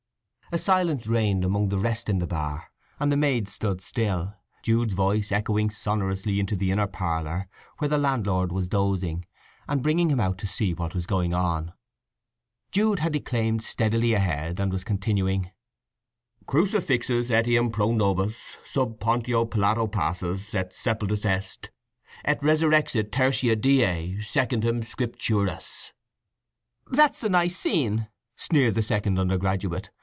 A silence reigned among the rest in the bar, and the maid stood still, Jude's voice echoing sonorously into the inner parlour, where the landlord was dozing, and bringing him out to see what was going on. Jude had declaimed steadily ahead, and was continuing: "Crucifixus etiam pro nobis: sub Pontio Pilato passus, et sepultus est. Et resurrexit tertia die, secundum Scripturas." "That's the Nicene," sneered the second undergraduate.